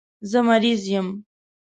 زه مریض یم